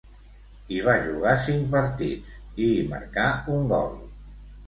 Hi va jugar cinc partits i hi marcà un gol.